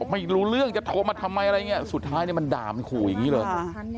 ไม่รู้เรื่องจะโทรมาทำไมอะไรอย่างนี้สุดท้ายเนี่ยมันด่ามันขู่อย่างนี้เลย